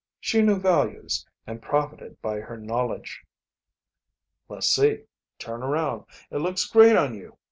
She knew values, and profited by her knowledge. "Le's see. Turn around. It looks great on you.